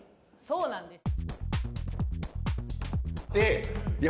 そうなんです。